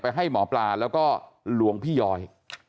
ให้หมอปลาแล้วก็หลวงพี่ย้อย